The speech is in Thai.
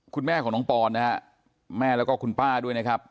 คุณแม่ของน้องปอนนะฮะแม่แล้วก็คุณป้าด้วยนะครับ